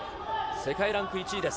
世界ランク１位です。